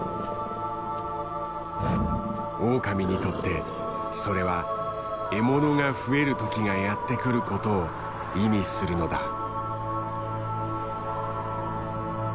オオカミにとってそれは獲物が増える時がやって来ることを意味するのだ。